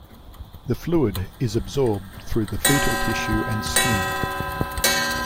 The fluid is absorbed through the fetal tissue and skin.